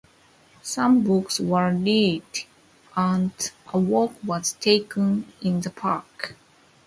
Some books were read and a walk was taken in the park.